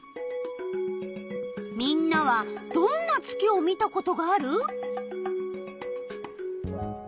みんなはどんな月を見たことがある？